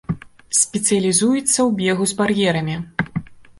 Спецыялізуецца ў бегу з бар'ерамі.